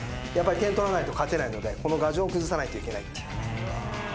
点取らないと勝てないのでこの牙城を崩さないといけない。